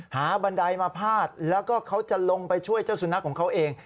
บันไดมาพาดแล้วก็เขาจะลงไปช่วยเจ้าสุนัขของเขาเอง